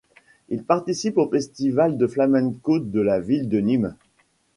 Il participe au festival de flamenco de la ville de Nîmes.